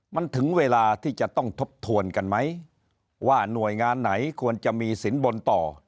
มันถึงเวลาที่จะต้องทบทวนกันไหมว่าหน่วยงานไหนควรจะมีสินบนต่อ